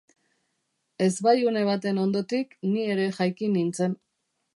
Ezbaiune baten ondotik, ni ere jaiki nintzen.